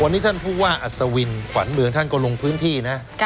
วันนี้ท่านผู้ว่าอัศวินขวัญเมืองท่านก็ลงพื้นที่นะ